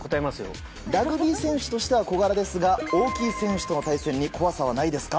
ラグビー選手としては小柄ですが、大きい選手との対戦に怖さはないですか。